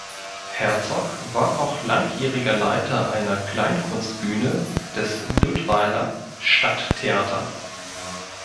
Herzog war auch langjähriger Leiter einer Kleinkunstbühne, des Dudweiler "Statt-Theater".